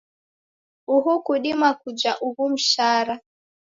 Uhu kudima kuja ughu msara?